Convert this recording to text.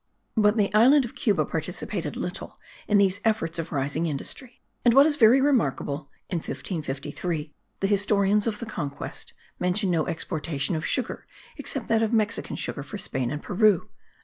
But the island of Cuba participated little in these efforts of rising industry; and what is very remarkable, in 1553, the historians of the Conquest* mention no exportation of sugar except that of Mexican sugar for Spain and Peru.